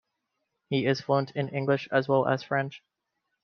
He is fluent in English as well as French.